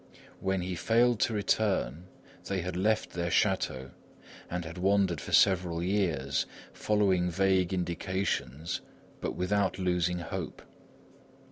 When he failed to return, they had left their château; and had wandered for several years, following vague indications but without losing hope.